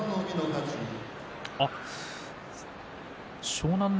湘南乃